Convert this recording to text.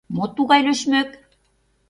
Мо тугай лӧшмӧк?..